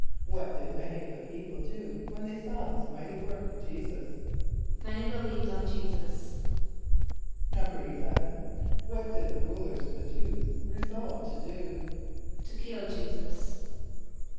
= What did many of the people do when they saw this mighty work of J[=e]´[s+]us? =Many believed on J[=e]´[s+]us.= =11.= What did the rulers of the Jew[s+] resolve to do? =To kill J[=e]´[s+]us.